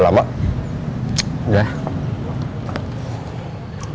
sampai kang komar